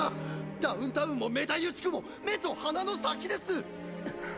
ダウンタウンもメダイユ地区も目と鼻の先です！！